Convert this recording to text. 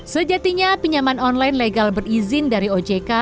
sejatinya pinjaman online legal berizin dari ojk